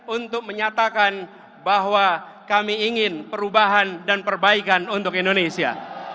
untuk menyatakan bahwa kami ingin perubahan dan perbaikan untuk indonesia